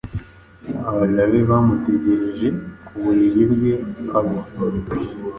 Abaja be baramutegereje; ku buriri bwe agwa,